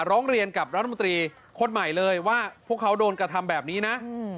ร้องเรียนกับรัฐมนตรีคนใหม่เลยว่าพวกเขาโดนกระทำแบบนี้นะ